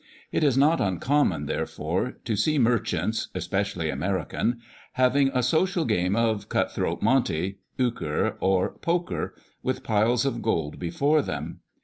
It is not uncommon, there fore, to see merchants (especially American) having a social game of " cut throat monte," " eucre," or " poker," with piles of gold be fore them.